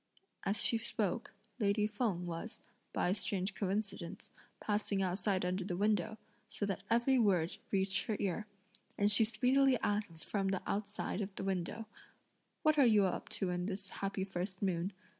As she spoke, lady Feng was, by a strange coincidence, passing outside under the window; so that every word reached her ear, and she speedily asked from outside the window: "What are you up to in this happy first moon?